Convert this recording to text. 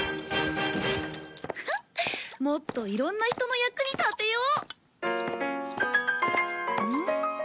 フフッもっといろんな人の役に立てよう。